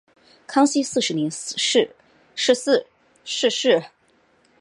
康熙四十年逝世。